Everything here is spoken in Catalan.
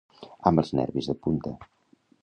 Amb els nervis de punta.